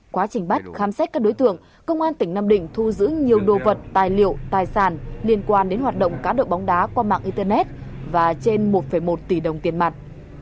quá trình bắt khám xét các đối tượng công an tỉnh nam định thu giữ nhiều đồ vật tài liệu tài sản liên quan đến hoạt động cá độ bóng đá qua mạng internet và trên một một tỷ đồng tiền mặt